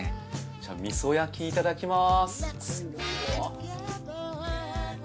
じゃあ味噌焼きいただきます。